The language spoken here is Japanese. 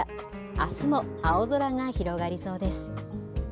あすも青空が広がりそうです。